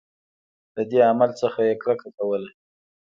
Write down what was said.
له دې عمل څخه یې کرکه کوله.